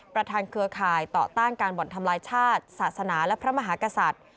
เครือข่ายต่อต้านการบ่อนทำลายชาติศาสนาและพระมหากษัตริย์